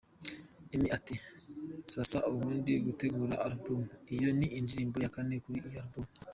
Emmy ati “ Sasa ubundi gutegura album, iyo ni indirimbo ya kane kuri iyo album.